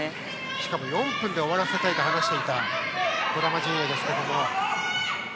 しかも４分で終わらせたいと話していた児玉陣営です。